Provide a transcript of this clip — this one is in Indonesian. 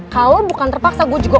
kalau bukan terpaksa gue juga